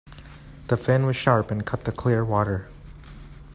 The fin was sharp and cut the clear water.